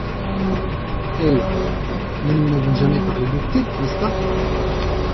Elle : Mais nous n’avons jamais parlé de thé, n’est-ce pas ?